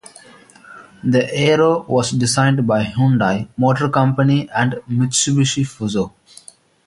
The Aero was designed by Hyundai Motor Company and Mitsubishi Fuso.